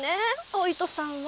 お糸さんは。